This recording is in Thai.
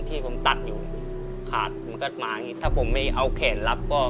อีกนิดเดียวครับ